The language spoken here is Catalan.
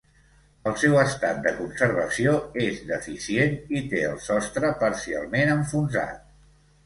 El seu estat de conservació és deficient i té el sostre parcialment enfonsat.